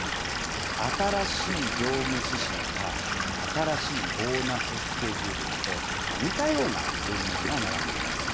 新しい業務指針や新しいボーナススケジュールなど、似たような文面が並んでいます。